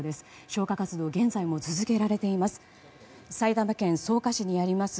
消火活動は現在も続けられています。